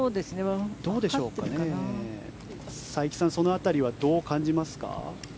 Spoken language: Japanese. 佐伯さんその辺りはどう感じますか？